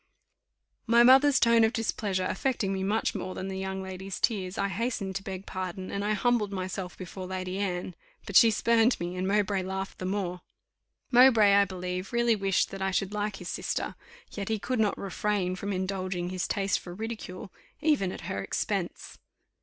My mother's tone of displeasure affecting me much more than the young lady's tears, I hastened to beg pardon, and I humbled myself before Lady Anne; but she spurned me, and Mowbray laughed the more. Mowbray, I believe, really wished that I should like his sister; yet he could not refrain from indulging his taste for ridicule, even at her expense.